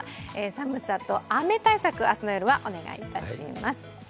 寒さと雨対策、明日の夜はお願いいたします。